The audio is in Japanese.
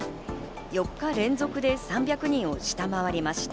４日連続で３００人を下回りました。